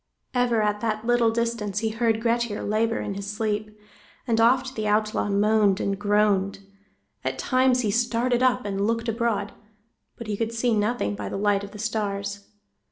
Ever at that little distance he heard Grettir labor in his sleep, and oft the outlaw moaned and groaned. At times he started up and looked abroad, but he could see nothing by the light of the stars.